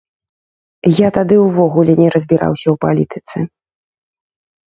Я тады ўвогуле не разбіраўся ў палітыцы.